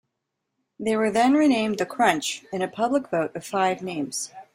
They were then renamed the 'Crunch' in a public vote of five names.